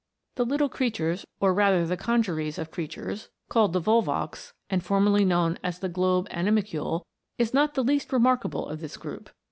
The little creatures, or rather the congeries of crea tures, called the Volvox, and formerly known as the globe animalcule, is not the least remarkable of this group.